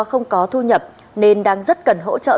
không có thu nhập nên đang rất cần hỗ trợ